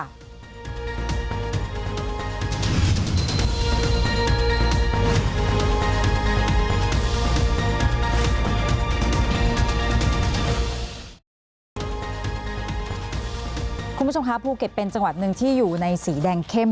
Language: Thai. คุณผู้ชมคะภูเก็ตเป็นจังหวัดหนึ่งที่อยู่ในสีแดงเข้ม